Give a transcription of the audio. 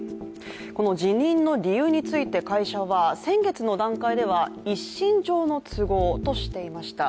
この辞任の理由について、会社は先月の段階では一身上の都合としていました。